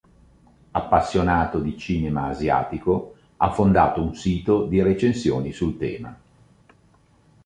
Appassionato di cinema asiatico ha fondato un sito di recensioni sul tema.